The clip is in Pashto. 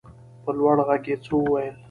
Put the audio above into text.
په لوړ غږ يې څه وويل.